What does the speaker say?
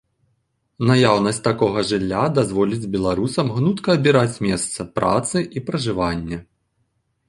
Наяўнасць такога жылля дазволіць беларусам гнутка абіраць месца працы і пражывання.